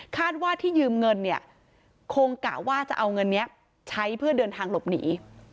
ว่าที่ยืมเงินเนี่ยคงกะว่าจะเอาเงินนี้ใช้เพื่อเดินทางหลบหนี